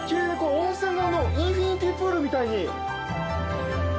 温泉があのインフィニティプールみたいに。